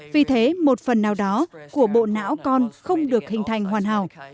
vì thế một phần nào đó của bộ não con không được hình thành hoàn hảo